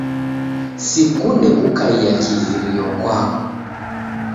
Sikunde kukaia kighirio kwako.